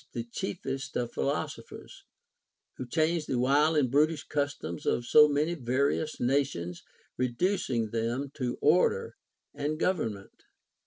481 the chiefest of philosophers, who changed the wild and brutish customs of so many various nations, reducing them to order and government.